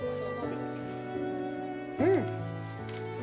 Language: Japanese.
うん。